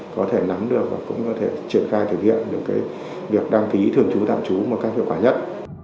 có thể nắm được và cũng có thể triển khai thực hiện được việc đăng ký thường trú tạm trú một cách hiệu quả nhất